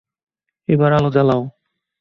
এইবার আলো জ্বালাও।